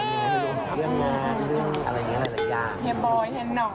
เรื่องงานเรื่องอะไรนี้อะไรสักอย่าง